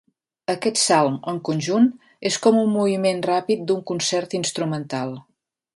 Aquest salm, en conjunt, és com un moviment ràpid d'un concert instrumental.